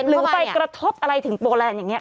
หรือไปกระทบอะไรถึงโปแลนด์อย่างนี้